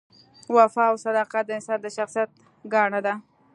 وفا او صداقت د انسان د شخصیت ګاڼه ده.